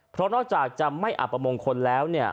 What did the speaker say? เพราะนอกจากจะไม่อับประมงคลแล้วเนี่ย